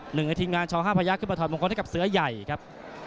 หนึ่งในทีมงานชอ๕พยักษ์ขึ้นมาถอดมงคลให้กับเสื้อใหญ่ครับ